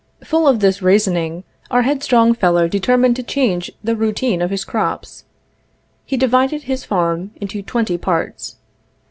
Full of this reasoning, our headstrong fellow determined to change the routine of his crops. He divided his farm into twenty parts.